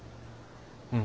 うん。